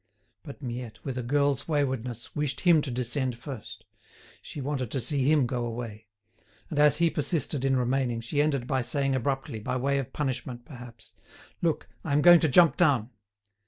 But Miette, with a girl's waywardness, wished him to descend first; she wanted to see him go away. And as he persisted in remaining, she ended by saying abruptly, by way of punishment, perhaps: "Look! I am going to jump down."